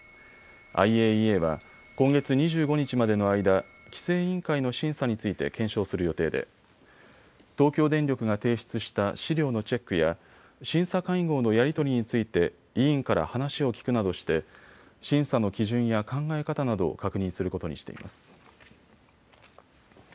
ＩＡＥＡは今月２５日までの間、規制委員会の審査について検証する予定で東京電力が提出した資料のチェックや審査会合のやり取りについて委員から話を聞くなどして審査の基準や考え方などを確認することにしています。